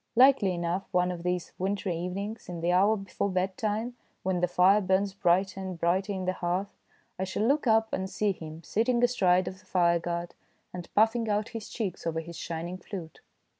Likely enough one of these wintry evenings, in the hour before bedtime, when the fire burns brighter and brighter in the hearth, I shall look up and see him sitting astride of the fireguard and puffing out his cheeks over his shining flute.